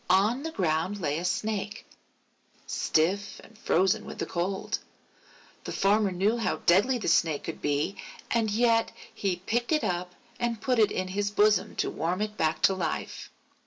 On the ground lay a Snake, stiff and frozen with the cold. The Farmer knew how deadly the Snake could be, and yet he picked it up and put it in his bosom to warm it back to life.